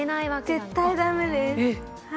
絶対、だめです。